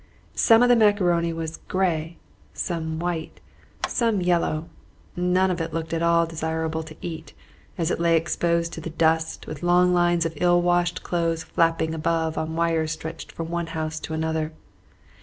Some of the macaroni was gray, some white, some yellow; none of it looked at all desirable to eat, as it lay exposed to the dust, with long lines of ill washed clothes flapping above on wires stretched from one house to another.